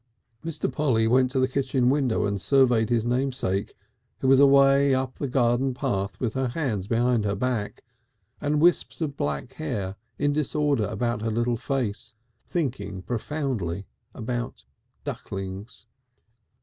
Mr. Polly went to the kitchen window and surveyed his namesake, who was away up the garden path with her hands behind her back, and whisps of black hair in disorder about her little face, thinking, thinking profoundly, about ducklings.